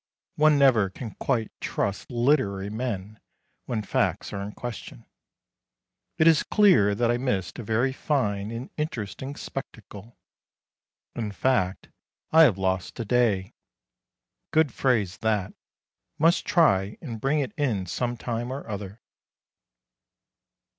One never can quite trust literary men when facts are in question. It is clear that I missed a very fine and interesting spectacle. In fact I have lost a day. Good phrase, that. Must try and bring it in some time or other.